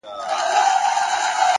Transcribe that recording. مثبت ذهن فرصتونه جذبوي.